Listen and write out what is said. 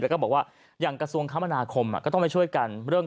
แล้วก็บอกว่าอย่างกระทรวงคมนาคมก็ต้องไปช่วยกันเรื่อง